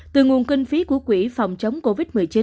từ nguồn kinh phí của quỹ phòng chống covid một mươi chín